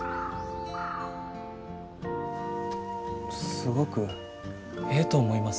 すごくええと思います。